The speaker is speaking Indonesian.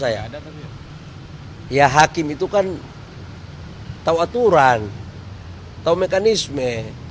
ya hakim itu kan tahu aturan tahu mekanisme